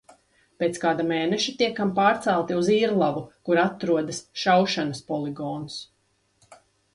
Pēc kāda mēneša tiekam pārcelti uz Irlavu, kur atrodas šaušanas poligons.